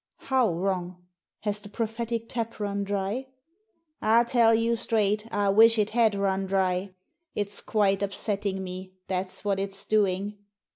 " How wrong ? Has the prophetic tap run dry ?" "I tell you straight, I wish it had run dry. It's quite upsetting me, that's what it's doing.